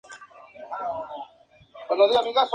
El propio Belda apoyó este plante.